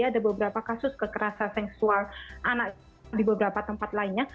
ada beberapa kasus kekerasan seksual anak di beberapa tempat lainnya